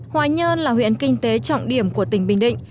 hoài nhơn là huyện kinh tế trọng điểm của tỉnh bình định